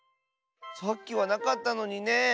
さっきはなかったのにねえ。